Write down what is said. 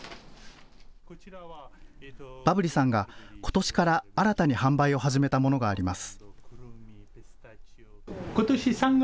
バブリさんがことしから新たに販売を始めたものがあります。